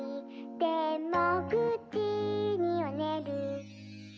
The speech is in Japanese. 「でも９じにはねる」